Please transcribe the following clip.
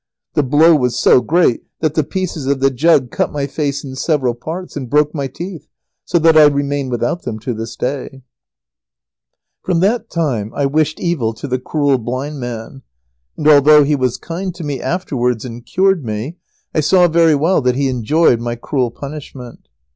The blow was so great that the pieces of the jug cut my face in several parts and broke my teeth, so that I remain without them to this day. [Sidenote: A coolness arises between Lazaro and the blind man.] From that time I wished evil to the cruel blind man, and, although he was kind to me afterwards and cured me, I saw very well that he enjoyed my cruel punishment.